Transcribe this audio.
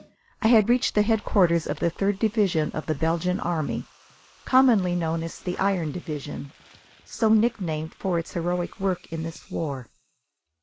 I had reached the headquarters of the Third Division of the Belgian Army, commonly known as the Iron Division, so nicknamed for its heroic work in this war.